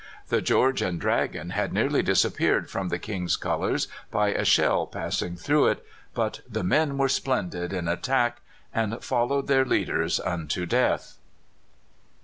The George and Dragon had nearly disappeared from the King's colours by a shell passing through it, but "the men were splendid" in attack, and followed their leaders unto death.